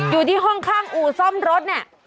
อยู่ที่ห้องข้างอู่ซ่อมรถเนี่ย